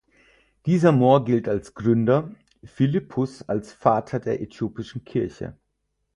Dieser Mohr gilt als Gründer, Philippus als Vater der äthiopischen Kirche.